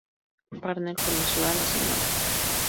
Parnell conoció a la Sra.